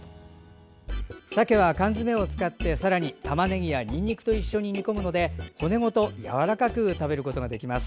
鮭は缶詰を使ってさらに、たまねぎやにんにくと一緒に煮込むので骨ごとやわらかく食べることができます。